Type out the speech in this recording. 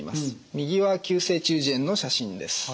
右は急性中耳炎の写真です。